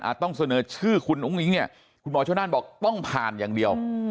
ต้องเสนอชื่อคุณอุ้งอิ๊งเนี่ยคุณหมอชนนั่นบอกต้องผ่านอย่างเดียว